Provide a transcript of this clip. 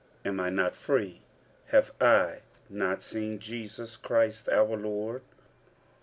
am I not free? have I not seen Jesus Christ our Lord?